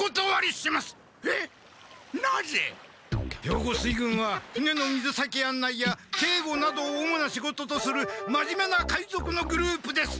兵庫水軍は船の水先あんないやけいごなどを主な仕事とするまじめな海賊のグループです。